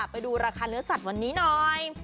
ไปดูราคาเนื้อสัตว์วันนี้หน่อย